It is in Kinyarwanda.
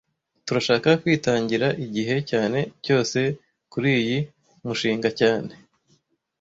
Turashaka kwitangira igihe cyanjye cyose kuriyi mushinga cyane